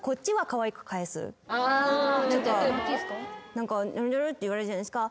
何かにゅるにゅるって言われるじゃないですか。